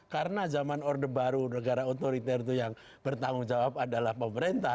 karena zaman order baru negara otoriter itu yang bertanggung jawab adalah pemerintah